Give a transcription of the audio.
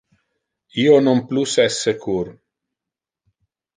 Io non plus es secur.